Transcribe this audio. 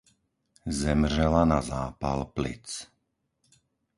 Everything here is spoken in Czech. Zemřela na zápal plic.